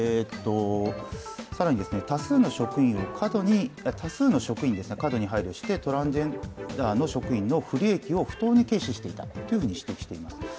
更に、多数の職員を過度に配慮してトランスジェンダーの職員の不利益を不当に軽視していたと指摘しています。